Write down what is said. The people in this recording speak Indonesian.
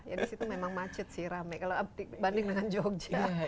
ya di situ memang macet sih rame kalau banding dengan jogja